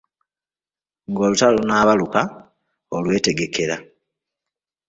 "Ng’olutalo lunaabaluka, olwetegekera."